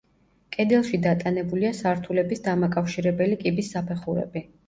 კედელში დატანებულია სართულების დამაკავშირებელი კიბის საფეხურები.